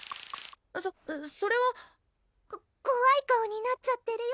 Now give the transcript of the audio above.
そそれはここわい顔になっちゃってるよ